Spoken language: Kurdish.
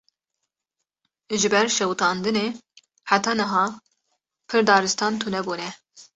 Ji ber şewitandinê, heta niha pir daristan tune bûne